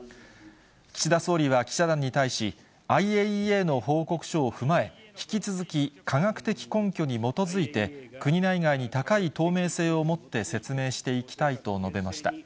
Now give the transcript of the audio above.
岸田総理は記者団に対し、ＩＡＥＡの報告書を踏まえ、引き続き、科学的根拠に基づいて、国内外に高い透明性をもって説明していきたいと述べました。